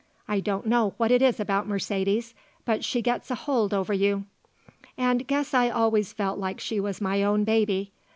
I don't know what it is about Mercedes, but she gets a hold over you. And guess I always felt like she was my own baby.